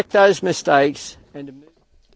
untuk mengurangi kesalahan itu